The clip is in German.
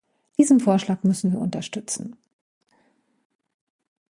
Diesen Vorschlag müssen wir unterstützen.